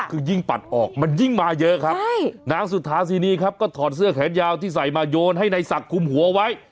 คือยิ่งปัดออกมันยิ่งมาเยอะครับนางสุธาสินีครับก็ถอดเสื้อแขนยาวที่ใส่มาโยนให้นายศักดิ์คุมหัวไว้